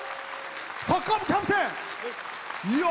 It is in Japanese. サッカー部、キャプテン！